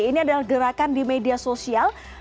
ini adalah gerakan di media sosial